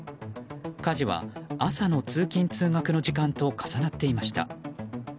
火事は朝の通勤・通学の時間と重なっていました。